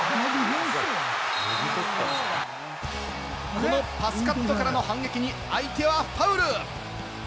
このパスカットからの反撃に相手はファウル。